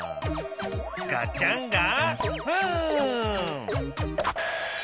ガチャンガフン！